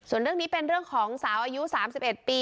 ส่วนเรื่องนี้เป็นเรื่องของสาวอายุสามสิบเอ็ดปี